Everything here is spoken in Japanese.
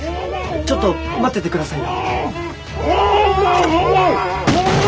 ちょっと待っててくださいよ。